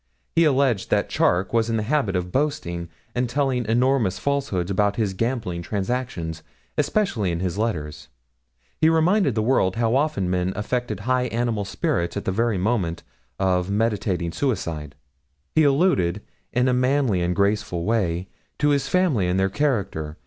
He alleged that Charke was in the habit of boasting, and telling enormous falsehoods about his gambling transactions, especially in his letters. He reminded the world how often men affect high animal spirits at the very moment of meditating suicide. He alluded, in a manly and graceful way, to his family and their character.